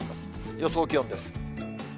予想気温です。